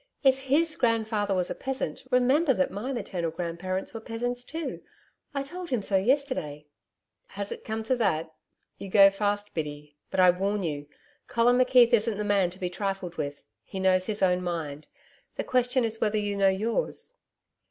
If HIS grandfather was a peasant, remember that my maternal grandparents were peasants too. I told him so yesterday.' 'Has it come to that? You go fast, Biddy. But I warn you Colin McKeith isn't the man to be trifled with. He knows his own mind. The question is whether you know yours.'